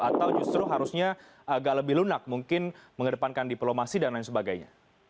atau justru harusnya agak lebih lunak mungkin mengedepankan diplomasi dan lain sebagainya